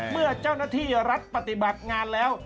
เมื่อเจ้าหน้าที่รัฐปฏิบัติงานแล้ว